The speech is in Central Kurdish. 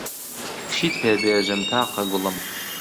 چیت پێ بێژم تاقە گوڵم